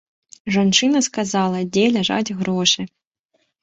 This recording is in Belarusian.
Жанчына сказала, дзе ляжаць грошы.